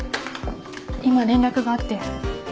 今連絡があって。